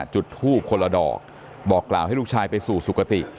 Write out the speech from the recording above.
จุดทูบคนละดอกบอกกล่าวให้ลูกชายไปสู่สุขติ